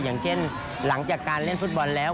อย่างเช่นหลังจากการเล่นฟุตบอลแล้ว